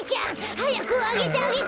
はやくあげてあげて！